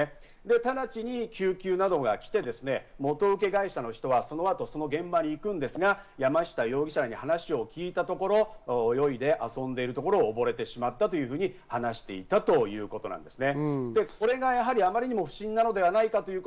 直ちに救急などが来て元請け会社の人がその後、現場に行くんですが、山下容疑者らに話を聞いたところ、泳いで遊んでいるところ、おぼれてしまったというふうに話していたということなんですね。